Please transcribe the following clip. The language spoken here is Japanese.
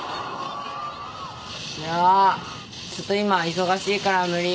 いやちょっと今忙しいから無理。